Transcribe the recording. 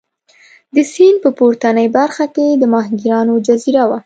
د سیند په پورتنۍ برخه کې د ماهیګیرانو جزیره وه.